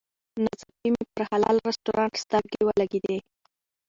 ناڅاپي مې پر حلال رسټورانټ سترګې ولګېدې.